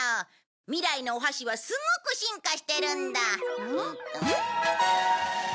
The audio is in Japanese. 未来のお箸はすごく進化してるんだ。